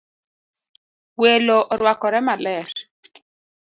Welo orwakore maler